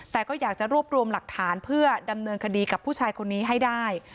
แต่ก็อยากจะรวบรวมหลักฐานเพื่อดำเนินคดีกับผู้ชายคนนี้ให้ได้